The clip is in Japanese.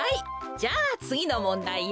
じゃあつぎのもんだいよ。